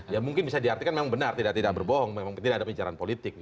ya mungkin bisa diartikan memang benar tidak berbohong memang tidak ada pembicaraan politik